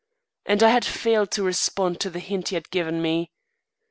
And I had failed to respond to the hint he had given me.